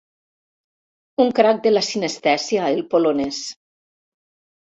Un crac de la sinestèsia, el polonès.